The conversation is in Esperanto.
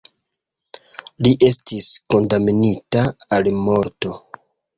Li estis kondamnita al morto.